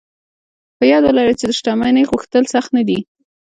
په یاد و لرئ چې د شتمنۍ غوښتل سخت نه دي